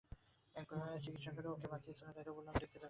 একবার চিকিৎসা করে ওঁকে বাঁচিয়েছিলেন, তাইতো বললাম দেখতে যাবেন কিনা।